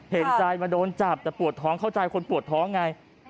เห็นใจมาโดนจับแต่ปวดท้องเข้าใจคนปวดท้องไง